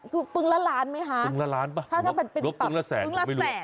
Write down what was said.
คือปึ๊งละล้านไหมคะปึ๊งละล้านป่ะหรือปึ๊งละแสนไม่รู้